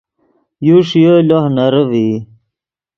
یو ݰییو لوہ نرے ڤئی